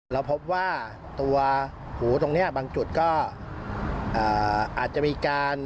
เราพบว่าตัวหูตรงนี้บางจุดก็อาจจะมีการ